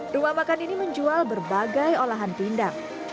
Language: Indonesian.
rumah makan ini menjual berbagai olahan pindang